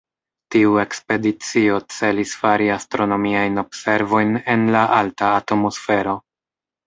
Tiu ekspedicio celis fari astronomiajn observojn en la alta atmosfero.